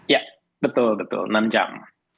ya betul betul enam jam